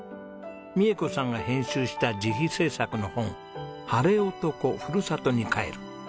美恵子さんが編集した自費制作の本『ハレオトコ、ふるさとに帰る』。